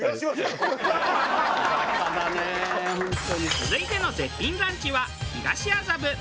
続いての絶品ランチは東麻布。